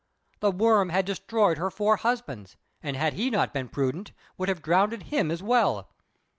The worm had destroyed her four husbands, and, had he not been prudent, would have drowned him as well.